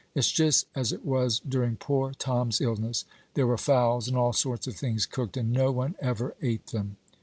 It's just as it was during poor Tom's illness; there were fowls and all sorts of things cooked, and no one ever ate them."